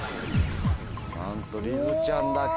なんとりづちゃんだけ。